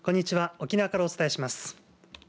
沖縄からお伝えします。